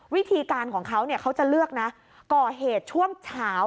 วิธีการของเขาเขาจะเลือกนะก่อเหตุช่วงเช้า